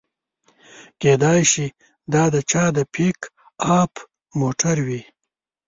کیدای شي دا د چا د پیک اپ موټر وي